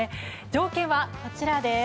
条件はこちらです。